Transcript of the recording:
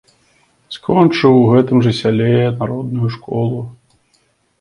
Скончыў у гэтым жа сяле народную школу.